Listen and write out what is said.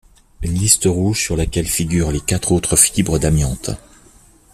Une liste rouge sur laquelle figurent les quatre autres fibres d'amiante.